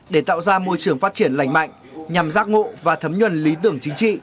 để tạo ra môi trường phát triển lành mạnh nhằm giác ngộ và thấm nhuần lý tưởng chính trị